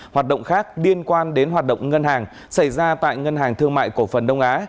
hoạt động khác liên quan đến hoạt động ngân hàng xảy ra tại ngân hàng thương mại cổ phần đông á